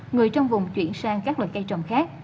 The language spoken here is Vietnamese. người trong vùng chuyển sang các loại cây trồng khác